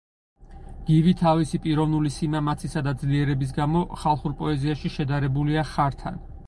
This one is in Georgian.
გივი თავისი პიროვნული სიმამაცისა და ძლიერების გამო ხალხურ პოეზიაში შედარებულია „ხართან“.